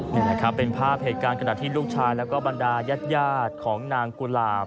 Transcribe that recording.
นี่นะครับเป็นภาพเหตุการณ์ขณะที่ลูกชายแล้วก็บรรดายาดของนางกุหลาบ